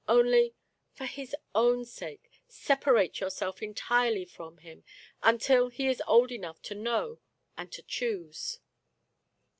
Only — for his own sake — separate yourself entirely from him, until he is old enough to know and to choose."